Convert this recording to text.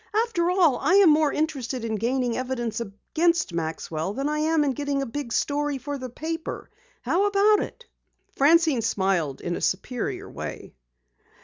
After all I am more interested in gaining evidence against Maxwell than I am in getting a big story for the paper. How about it?" Francine smiled in a superior way.